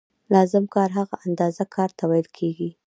لازم کار هغه اندازه کار ته ویل کېږي